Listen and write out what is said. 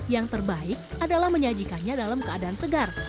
yang terbaik adalah menyajikannya dalam keadaan segar